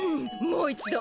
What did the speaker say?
もう一度。